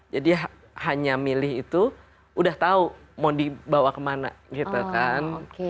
jadi hanya milih itu udah tahu mau dibawa kemana gitu kan